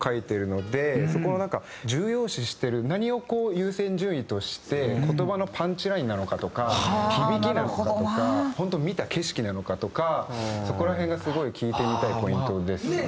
そこのなんか重要視してる何をこう優先順位として言葉のパンチラインなのかとか響きなのかとかホント見た景色なのかとかそこら辺がすごい聞いてみたいポイントですね。